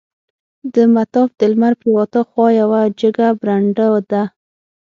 د مطاف د لمر پریواته خوا یوه جګه برنډه ده.